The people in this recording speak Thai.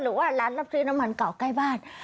หรือว่าร้านรับซื้อน้ำมันเก่าใกล้บ้าน